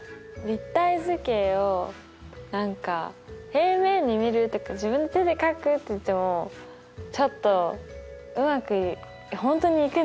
立体図形を何か平面に見るとか自分の手で描くっていってもちょっとうまく本当にいくんですか？